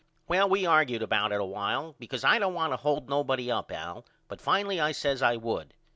Well we argude about it a while because I don't want to hold nobody up Al but finally I says I would.